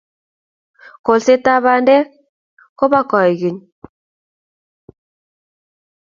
kolsetap pandek ko po koekeny